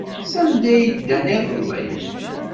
Sanda ay ddan iḍelli?